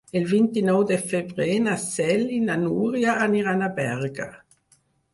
El vint-i-nou de febrer na Cel i na Nura aniran a Berga.